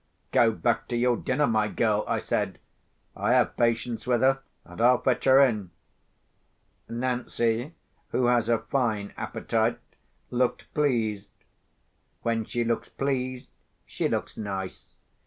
"Go back to your dinner, my girl," I said. "I have patience with her, and I'll fetch her in." Nancy (who has a fine appetite) looked pleased. When she looks pleased, she looks nice.